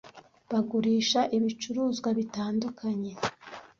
Bagurisha ibicuruzwa bitandukanye